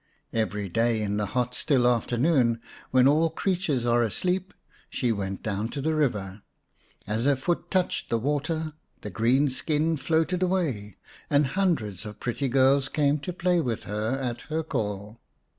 Every day in the hot, still afternoon, when all creatures are asleep, she went down to the river. As her foot touched the water the green skin floated away, and hundreds of pretty girls came to play with her at her call.